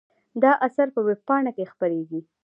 دا اثر په وېبپاڼه کې خپریږي.